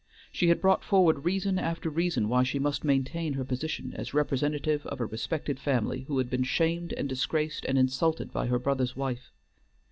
She had brought forward reason after reason why she must maintain her position as representative of a respected family who had been shamed and disgraced and insulted by her brother's wife.